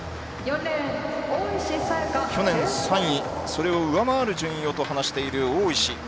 去年３位それを上回る順位をと話している大石です。